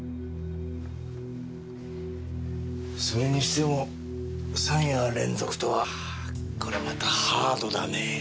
それにしても三夜連続とはこりゃまたハードだね。